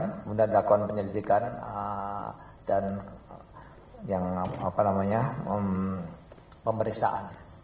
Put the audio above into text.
kemudian lakuan penyelidikan dan pemeriksaan